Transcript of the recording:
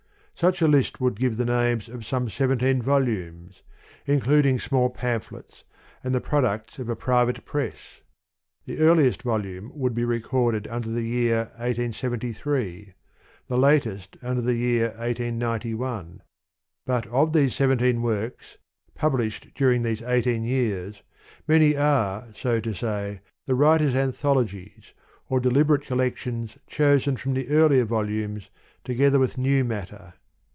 Such a list would give the names of some seventeen volumes, including small pamphlets and the prod ucts of a private press ; the earliest volume would be recorded under the year 1873, the latest under the year 189 1 : but of these seventeen works, published during these eighteen years, many are, so to say, the writer's anthologies, or deliberate col lections, chosen from the earlier volumes, together with new matter.